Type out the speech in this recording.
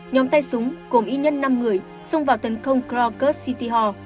nhóm tay súng gồm ít nhất năm người xông vào tấn công crocus city hall